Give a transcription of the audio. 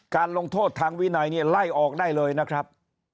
ลงโทษทางวินัยเนี่ยไล่ออกได้เลยนะครับ